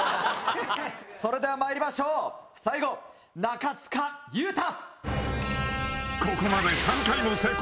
それではまいりましょう最後中務裕太。